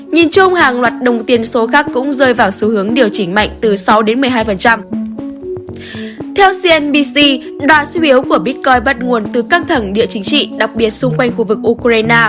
nhìn chung hàng loạt đồng tiền số khác cũng rơi vào xu hướng điều trị